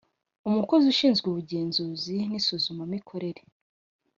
umukozi ushinzwe ubugenzuzi n’ isuzumamikorere